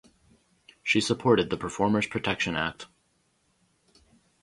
She supported the Performer’s Protection Act.